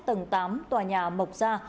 tầng tám tòa nhà mộc gia